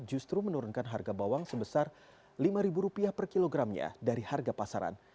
justru menurunkan harga bawang sebesar rp lima per kilogramnya dari harga pasaran